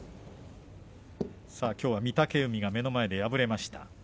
きょうは御嶽海が目の前で敗れました。